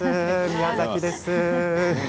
宮崎です。